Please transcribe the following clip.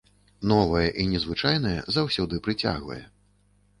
Новае і незвычайнае заўсёды прыцягвае.